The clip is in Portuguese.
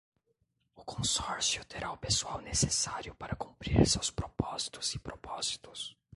O consórcio terá o pessoal necessário para cumprir seus propósitos e propósitos.